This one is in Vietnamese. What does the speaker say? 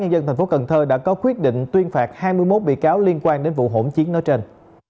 dân thành phố cần thơ đã có quyết định tuyên phạt hai mươi một bị cáo liên quan đến vụ hỗn chiến nói trên